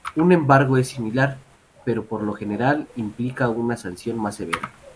Un embargo es similar, pero por lo general implica una sanción más severa.